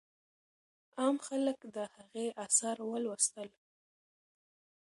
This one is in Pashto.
عام خلک د هغې آثار ولوستل.